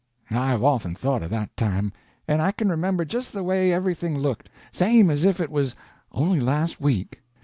I've often thought of that time, and I can remember just the way everything looked, same as if it was only last week.